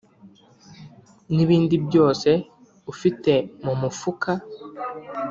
nibindi byose ufite mumufuka.